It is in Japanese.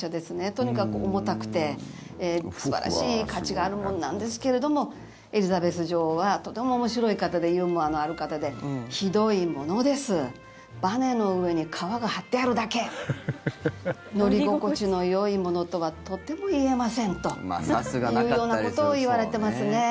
とにかく重たくて素晴らしい価値があるものなんですけれどもエリザベス女王はとても面白い方でユーモアのある方でひどいものですばねの上に革が張ってあるだけ乗り心地のよいものとはとても言えませんというようなことを言われてますね。